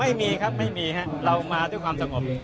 ไม่มีครับไม่มีครับเรามาด้วยความสงบ